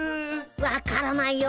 分からないよ。